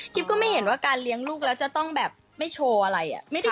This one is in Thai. ก็ไม่เห็นว่าการเลี้ยงลูกแล้วจะต้องแบบไม่โชว์อะไร